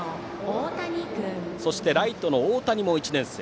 そして、ライトの大谷も１年生。